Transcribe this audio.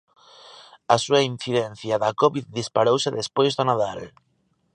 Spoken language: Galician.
A súa incidencia da Covid disparouse despois do Nadal.